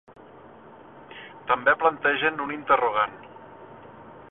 També plantegen un interrogant.